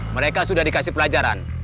mereka sudah dikasih pelajaran